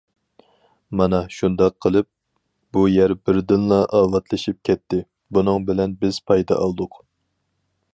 مانا شۇنداق قىلىپ بۇ يەر بىردىنلا ئاۋاتلىشىپ كەتتى، بۇنىڭ بىلەن بىز پايدا ئالدۇق.